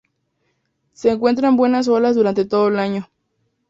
Se encuentran buenas olas durante todo el año.